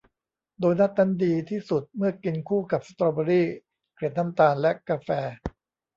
โดนัทนั้นดีที่สุดเมื่อกินคู่กับสตรอเบอร์รี่ เกล็ดน้ำตาล และกาแฟ